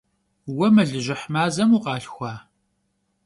Vue melıjıh mazem vukhalhxua?